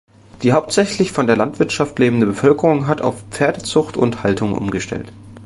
Die hauptsächlich von der Landwirtschaft lebende Bevölkerung hat auf Pferdezucht und -haltung umgestellt.